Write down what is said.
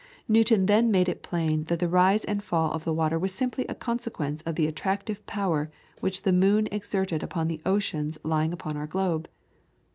Newton then made it plain that the rise and fall of the water was simply a consequence of the attractive power which the moon exerted upon the oceans lying upon our globe.